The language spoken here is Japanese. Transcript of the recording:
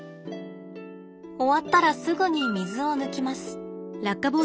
終わったらすぐに水を抜きます。